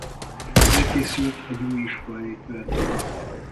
Elkészült egy új iskolaépület.